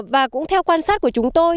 và cũng theo quan sát của chúng tôi